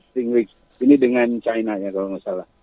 spring rix ini dengan china ya kalau nggak salah